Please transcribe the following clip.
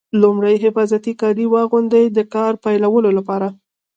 لومړی حفاظتي کالي واغوندئ د کار پیلولو لپاره.